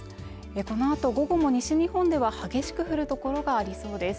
このあと午後も西日本では激しく降るところがありそうです